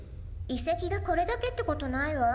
いせきがこれだけってことないわ。